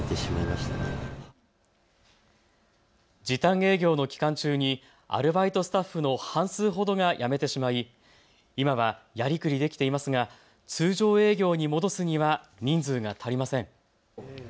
時短営業の期間中にアルバイトスタッフの半数ほどが辞めてしまい今はやりくりできていますが通常営業に戻すには人数が足りません。